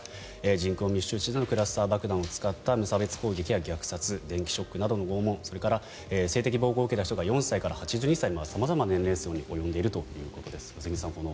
人口密集地でのクラスター爆弾を使った無差別攻撃や虐殺電気ショックなどの拷問それから性的暴行を受けた人が４歳から８２歳まで様々な年齢層に及んでいるということです。